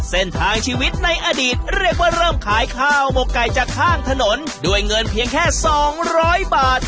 เส้นทางชีวิตในอดีตเรียกว่าเริ่มขายข้าวหมกไก่จากข้างถนนด้วยเงินเพียงแค่สองร้อยบาท